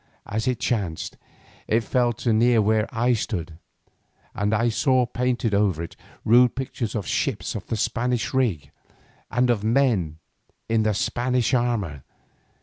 As it chanced it fell near to where I stood, and I saw painted over it rude pictures of ships of the Spanish rig, and of men in the Spanish armour.